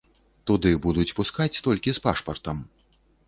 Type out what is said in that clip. Туды будуць пускаць толькі з пашпартам.